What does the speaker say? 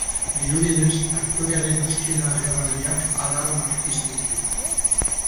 Dirudienez, aktorearen azken agerraldiak alarmak piztu ditu.